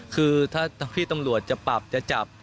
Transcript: คือถ้าพี่ตำรวจจะปรับจะจับ